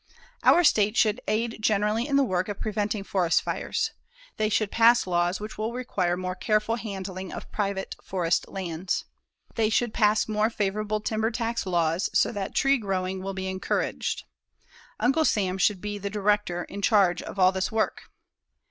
Our States should aid generally in the work of preventing forest fires. They should pass laws which will require more careful handling of private forest lands. They should pass more favorable timber tax laws so that tree growing will be encouraged. Uncle Sam should be the director in charge of all this work.